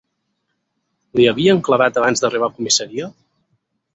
Li havien clavat abans d'arribar a comissaria?